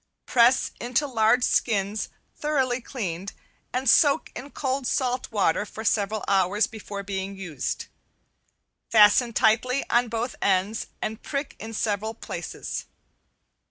Press into large skins thoroughly cleaned and soaked in cold salt water for several hours before being used, fasten tightly on both ends and prick in several places.